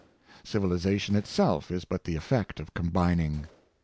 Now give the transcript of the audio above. Civilization itself is but the effect of combining.